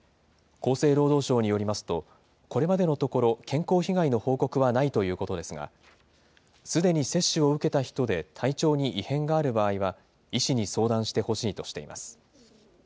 厚生労働省によりますと、これまでのところ、健康被害の報告はないということですが、すでに接種を受けた人で体調に異変がある場合は、医師に相談してほしいとしています。